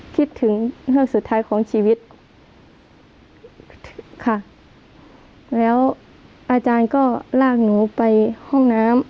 คิดถึงเรื่องสุดท้ายของชีวิตค่ะแล้วอาจารย์ก็ลากหนูไปห้องน้ำ